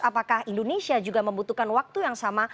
apakah indonesia juga membutuhkan waktu yang sama